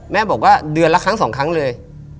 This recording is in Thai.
แม่บอกว่าเดือนละครั้งสองครั้งเลย